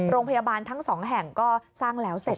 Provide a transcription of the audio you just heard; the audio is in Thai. โรงพยาบาลทั้งสองแห่งก็สร้างแล้วเสร็จ